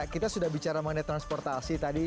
kita sudah bicara mengenai transportasi tadi